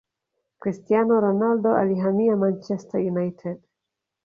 cristiano ronaldo alihamia manchester united